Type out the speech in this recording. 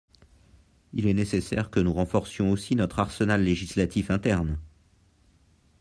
Il est nécessaire que nous renforcions aussi notre arsenal législatif interne.